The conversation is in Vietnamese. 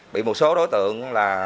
bị một số đối tượng